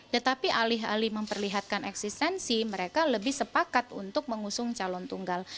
tetapi alih alih memperlihatkan eksistensi mereka lebih sepakat untuk mengusung calon tunggal